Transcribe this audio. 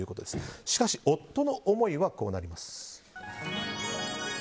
しかし、夫の思いはこうなります。